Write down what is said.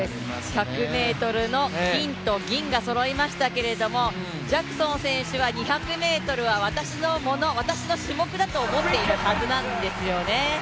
１００ｍの金と銀がそろいましたが、ジャクソン選手は２００ｍは私のもの、私の種目だと思ってるはずなんですよね。